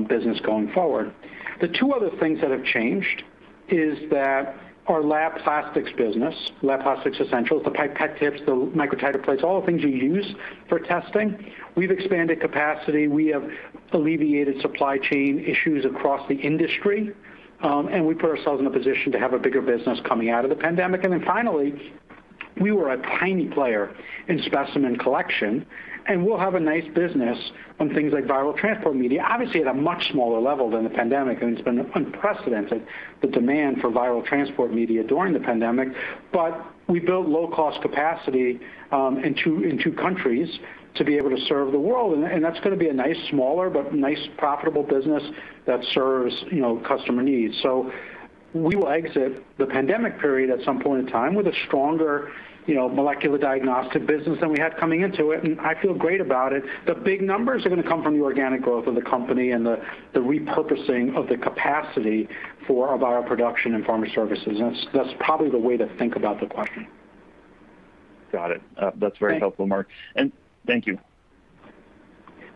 business going forward. The two other things that have changed is that our lab plastics business, lab plastics essentials, the pipette tips, the microtiter plates, all the things you use for testing, we've expanded capacity, we have alleviated supply chain issues across the industry, and we put ourselves in a position to have a bigger business coming out of the pandemic. Finally, we were a tiny player in specimen collection, and we'll have a nice business on things like viral transport media, obviously at a much smaller level than the pandemic, and it's been unprecedented the demand for viral transport media during the pandemic. We built low-cost capacity in two countries to be able to serve the world, and that's going to be a nice smaller, but nice profitable business that serves customer needs. We will exit the pandemic period at some point in time with a stronger molecular diagnostic business than we had coming into it, and I feel great about it. The big numbers are going to come from the organic growth of the company and the repurposing of the capacity for our bioproduction and pharma services. That's probably the way to think about the question. Got it. Great. That's very helpful, Marc. Thank you.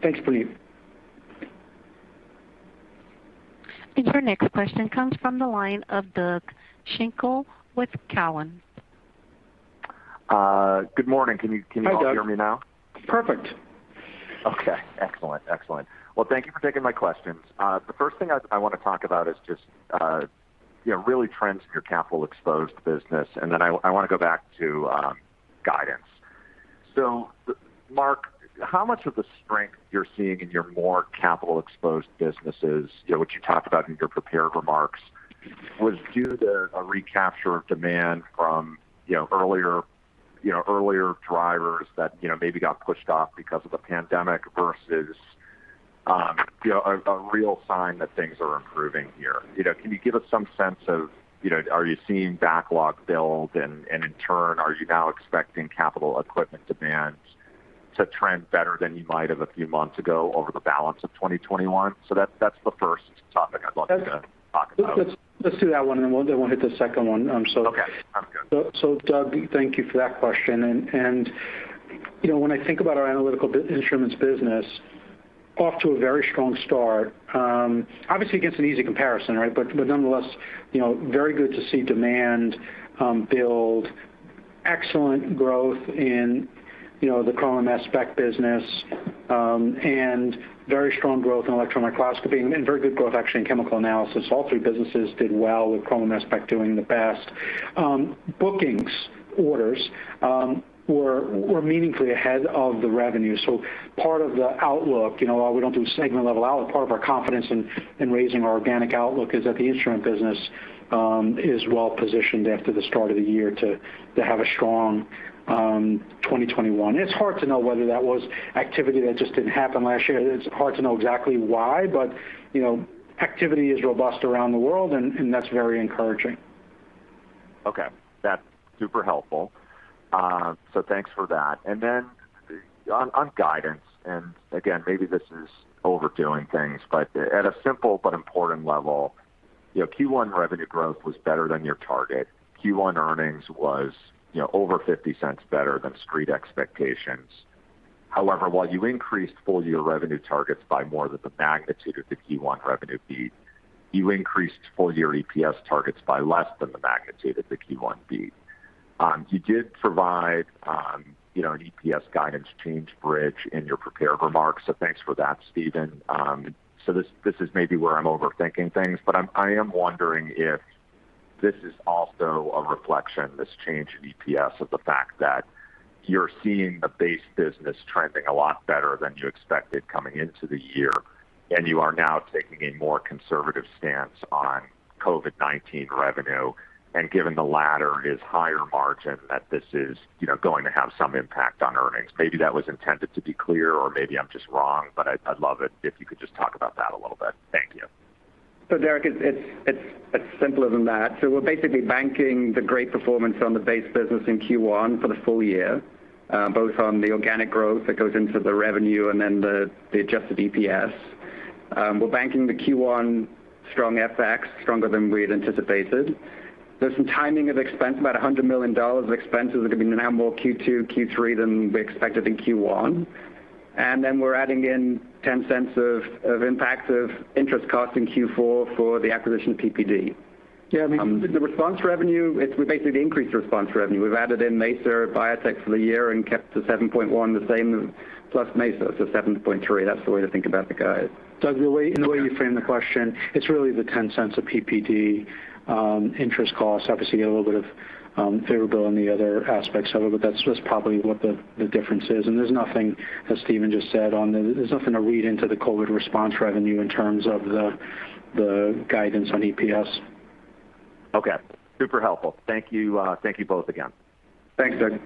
Thanks, Puneet. Your next question comes from the line of Doug Schenkel with Cowen. Good morning. Can you all hear me now? Hi, Doug. Perfect. Okay, excellent. Well, thank you for taking my questions. The first thing I want to talk about is just really trends in your capital exposed business. I want to go back to guidance. Marc, how much of the strength you're seeing in your more capital exposed businesses, what you talked about in your prepared remarks, was due to a recapture of demand from earlier drivers that maybe got pushed off because of the pandemic versus a real sign that things are improving here? Can you give us some sense of are you seeing backlog build and in turn, are you now expecting capital equipment demand to trend better than you might have a few months ago over the balance of 2021? That's the first topic I'd love to talk about. Let's do that one and then we'll hit the second one. Okay. Sounds good. Doug, thank you for that question, and when I think about our Analytical Instruments business, off to a very strong start. Obviously it gets an easy comparison, right? Nonetheless very good to see demand build excellent growth in the chrom and mass spec business, and very strong growth in electron microscopy and very good growth actually in chemical analysis. All three businesses did well with chrom and mass spec doing the best. Bookings orders were meaningfully ahead of the revenue. Part of the outlook, while we don't do segment level out, part of our confidence in raising our organic outlook is that the instrument business is well positioned after the start of the year to have a strong 2021. It's hard to know whether that was activity that just didn't happen last year. It's hard to know exactly why, but activity is robust around the world and that's very encouraging. Okay. That's super helpful. Thanks for that. On guidance, and again, maybe this is overdoing things, but at a simple but important level, Q1 revenue growth was better than your target. Q1 earnings was over $0.50 better than street expectations. While you increased full year revenue targets by more than the magnitude of the Q1 revenue beat, you increased full year EPS targets by less than the magnitude of the Q1 beat. You did provide an EPS guidance change bridge in your prepared remarks, so thanks for that, Stephen. This is maybe where I'm overthinking things, but I am wondering if this is also a reflection, this change in EPS of the fact that you're seeing the base business trending a lot better than you expected coming into the year, and you are now taking a more conservative stance on COVID-19 revenue. Given the latter is higher margin that this is going to have some impact on earnings. Maybe that was intended to be clear or maybe I'm just wrong. I'd love it if you could just talk about that a little bit. Thank you. Doug, it's simpler than that. We're basically banking the great performance on the base business in Q1 for the full year, both on the organic growth that goes into the revenue and then the adjusted EPS. We're banking the Q1 strong FX, stronger than we had anticipated. There's some timing of expense, about $100 million of expenses are going to be now more Q2, Q3 than we expected in Q1. Then we're adding in $0.10 of impact of interest cost in Q4 for the acquisition of PPD. Yeah. I mean- The response revenue, it would basically be increased response revenue. We've added in Mesa Biotech for the year and kept the $7.1 the same as plus Mesa, so $7.3. That's the way to think about the guide. Doug, the way you framed the question, it's really the $0.10 of PPD, interest costs. Obviously, you get a little bit of variable in the other aspects of it, but that's just probably what the difference is. There's nothing, as Stephen just said, to read into the COVID response revenue in terms of the guidance on EPS. Okay. Super helpful. Thank you both again. Thanks, Doug.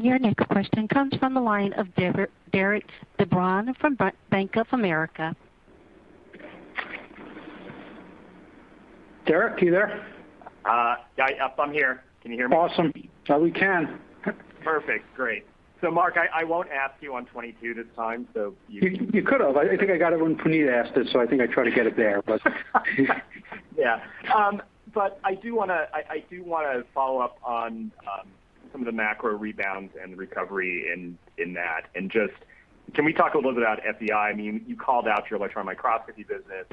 Your next question comes from the line of Derik De Bruin from Bank of America. Derik, you there? Yeah. I'm here. Can you hear me? Awesome. We can. Perfect. Great. Marc, I won't ask you on 2022 this time. You could have. I think I got it when Puneet asked it, so I think I tried to get it there. Yeah. I do want to follow up on some of the macro rebounds and the recovery in that. Can we talk a little bit about FEI? I mean, you called out your electron microscopy business.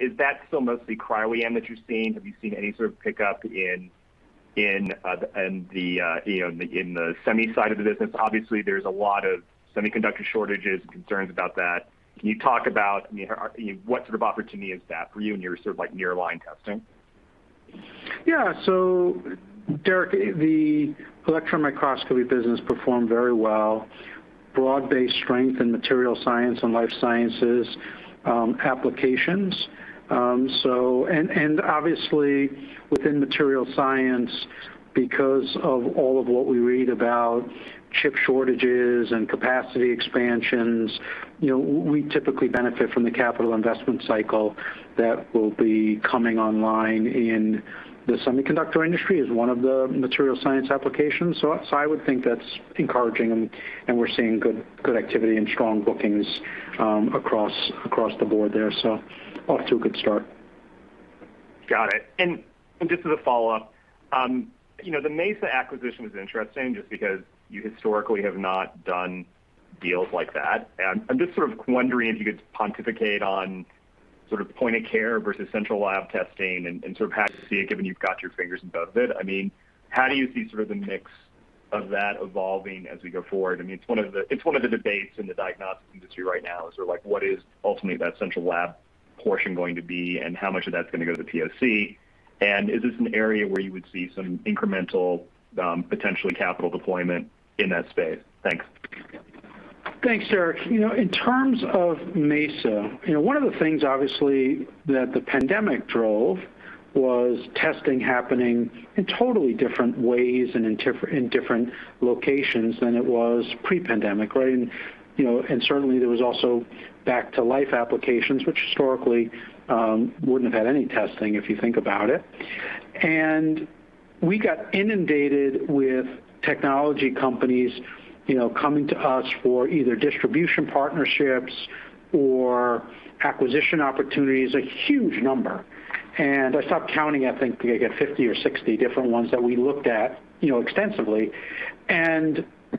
Is that still mostly cryo-EM that you're seeing? Have you seen any sort of pickup in the semi side of the business? Obviously, there's a lot of semiconductor shortages and concerns about that. Can you talk about what sort of opportunity is that for you and your sort of near-line testing? Yeah. Derik, the electron microscopy business performed very well. Broad-based strength in material science and life sciences applications. Obviously, within material science, because of all of what we read about chip shortages and capacity expansions, we typically benefit from the capital investment cycle that will be coming online in the semiconductor industry as one of the material science applications. I would think that's encouraging, and we're seeing good activity and strong bookings across the board there. Off to a good start. Got it. Just as a follow-up. The Mesa acquisition was interesting just because you historically have not done deals like that. I'm just sort of wondering if you could pontificate on sort of point-of-care versus central lab testing and sort of how you see it, given you've got your fingers in both of it. How do you see sort of the mix of that evolving as we go forward? I mean, it's one of the debates in the diagnostics industry right now is sort of what is ultimately that central lab portion going to be and how much of that's going to go to the POC, and is this an area where you would see some incremental, potentially capital deployment in that space? Thanks. Thanks, Derik. In terms of Mesa, one of the things, obviously, that the pandemic drove was testing happening in totally different ways and in different locations than it was pre-pandemic, right? Certainly, there was also back-to-life applications, which historically wouldn't have had any testing, if you think about it. We got inundated with technology companies coming to us for either distribution partnerships or acquisition opportunities, a huge number. I stopped counting. I think we may have got 50 or 60 different ones that we looked at extensively.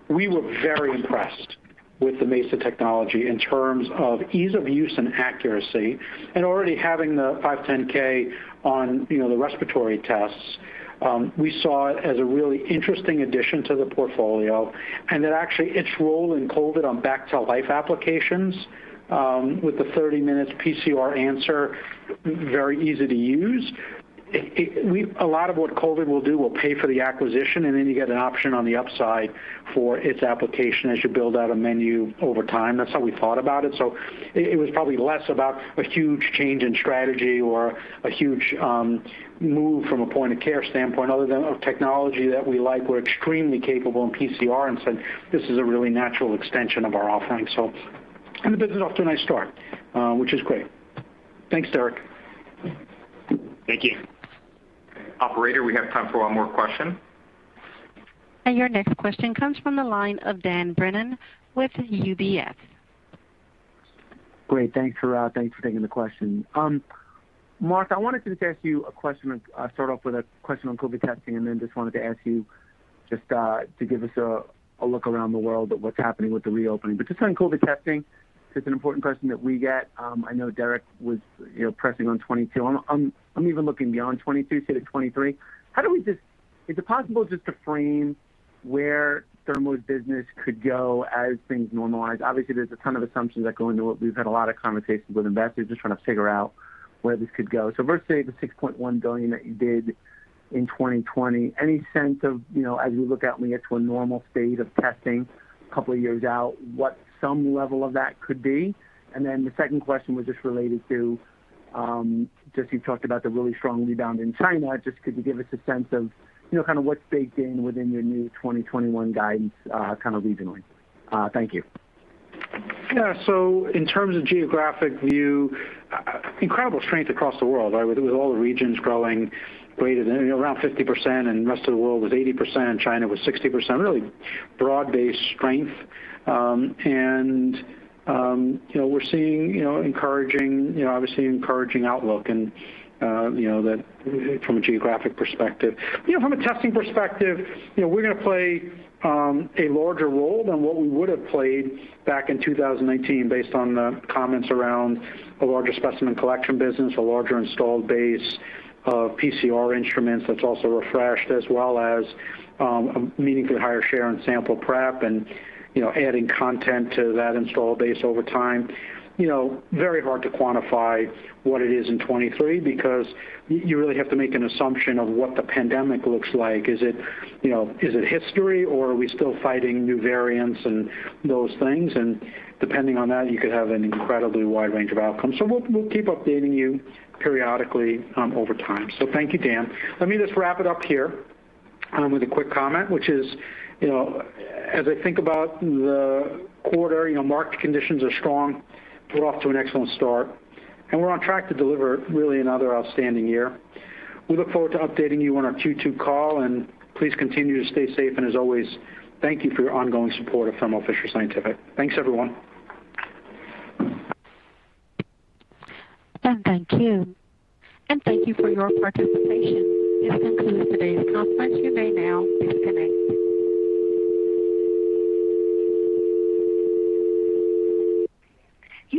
We were very impressed with the Mesa technology in terms of ease of use and accuracy and already having the 510(k) on the respiratory tests. We saw it as a really interesting addition to the portfolio, and that actually its role in COVID on back-to-life applications with the 30 minutes PCR answer, very easy to use. A lot of what COVID will do will pay for the acquisition, and then you get an option on the upside for its application as you build out a menu over time. That's how we thought about it. It was probably less about a huge change in strategy or a huge move from a point-of-care standpoint other than a technology that we like. We're extremely capable in PCR and said this is a really natural extension of our offering. The business is off to a nice start, which is great. Thanks, Derik. Thank you. Operator, we have time for one more question. Your next question comes from the line of Dan Brennan with UBS. Great. Thanks for taking the question. Marc, I wanted to just ask you a question and start off with a question on COVID-19 testing, and then just wanted to ask you just to give us a look around the world of what's happening with the reopening. Just on COVID-19 testing, because it's an important question that we get. I know Derik was pressing on 2022. I'm even looking beyond 2022, say, to 2023. Is it possible just to frame where Thermo's business could go as things normalize? Obviously, there's a ton of assumptions that go into it. We've had a lot of conversations with investors just trying to figure out where this could go. Versus the $6.1 billion that you did in 2020, any sense of, as we look out when we get to a normal state of testing a couple of years out, what some level of that could be? The second question was just related to you talked about the really strong rebound in China. Just could you give us a sense of kind of what's baked in within your new 2021 guidance kind of regionally? Thank you. In terms of geographic view, incredible strength across the world, right? With all the regions growing greater than around 50%, and the rest of the world was 80%, and China was 60%. Really broad-based strength. We're seeing obviously encouraging outlook and that from a geographic perspective. From a testing perspective, we're going to play a larger role than what we would have played back in 2019 based on the comments around a larger specimen collection business, a larger installed base of PCR instruments that's also refreshed, as well as a meaningfully higher share in sample prep and adding content to that installed base over time. Very hard to quantify what it is in 2023 because you really have to make an assumption of what the pandemic looks like. Is it history, or are we still fighting new variants and those things? Depending on that, you could have an incredibly wide range of outcomes. We'll keep updating you periodically over time. Thank you, Dan. Let me just wrap it up here with a quick comment, which is as I think about the quarter, market conditions are strong. We're off to an excellent start. We're on track to deliver really another outstanding year. We look forward to updating you on our Q2 call, and please continue to stay safe, and as always, thank you for your ongoing support of Thermo Fisher Scientific. Thanks, everyone. Thank you. Thank you for your participation. This concludes today's conference. You may now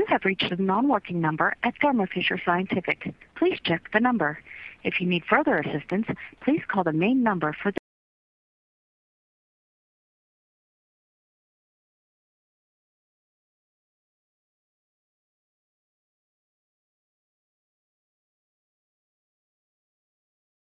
disconnect.